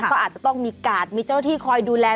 ก็อาจจะต้องมีกาดมีเจ้าหน้าที่คอยดูแล